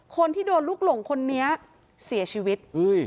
คนที่โดนลูกหลงคนนี้เสียชีวิต